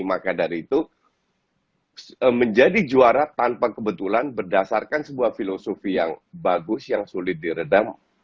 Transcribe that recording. maka dari itu menjadi juara tanpa kebetulan berdasarkan sebuah filosofi yang bagus yang sulit diredam